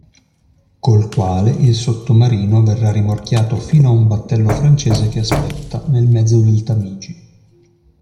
Col quale il sottomarino verrà rimorchiato fino a un battello francese che aspetta, nel mezzo del Tamigi…